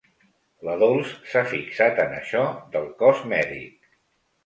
La Dols s'ha fixat en això del cos mèdic.